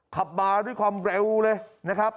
ขับมาด้วยความเร็วเลยนะครับ